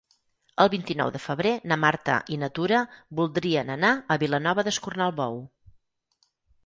El vint-i-nou de febrer na Marta i na Tura voldrien anar a Vilanova d'Escornalbou.